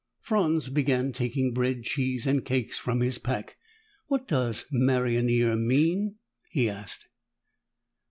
Franz began taking bread, cheese and cakes from his pack. "What does maronnier mean?" he asked.